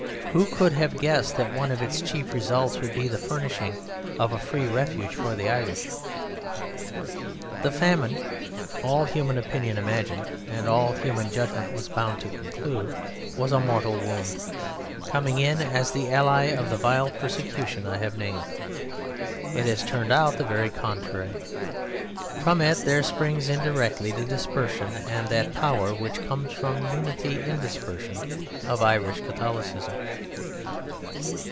Who could have guessed that one of its chief results would be the furnishing of a free refuge for the Irish? The famine, all human opinion imagined, and all human judgment was bound to conclude, was a mortal wound, coming in as the ally of the vile persecution I have named. It has turned out the very contrary. From it there springs indirectly the dispersion, and that power which comes from unity in dispersion, of Irish Catholicism.